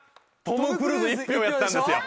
トム・クルーズ１票やったんですよ。